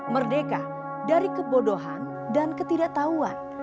merdeka dari kebodohan dan ketidaktahuan